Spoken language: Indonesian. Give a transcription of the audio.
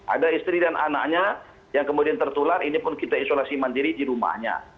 ada istri dan anaknya yang kemudian tertular ini pun kita isolasi mandiri di rumahnya